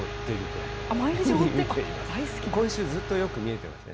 今週、ずっとよく見えてますね。